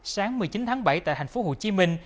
sáng một mươi chín tháng bảy tại thành phố hồ chí minh